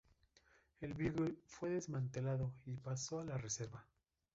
El Beagle fue desmantelado y pasó a la reserva.